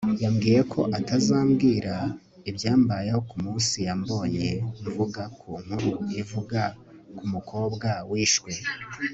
Yambwiye ko atazamubwira ibyambayeho ku munsi yambonye mvuga ku nkuru ivuga ku mukobwa wishwe